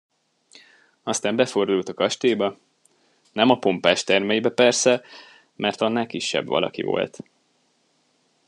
Aztán befordult a kastélyba, nem a pompás termeibe persze, mert annál kisebb valaki volt.